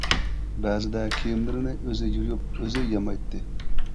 بەزىدە كىيىملىرىنى ئۆزى يۇيۇپ، ئۆزى يامايتتى.